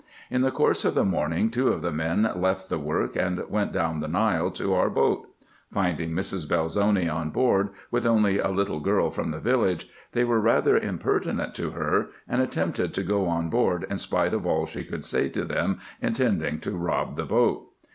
In the course of the morning, two of the men left the work, and went down the Nile to our boat. Finding Mrs. Belzoni on board, with only a little girl from the village, they were rather impertinent to her, and attempted to go on board in spite of all she could say to them, intending to rob the boat.